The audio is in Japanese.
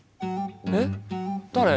えっ誰？